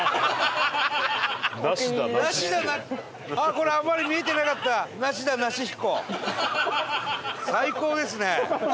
これあんまり見えてなかった梨田梨彦。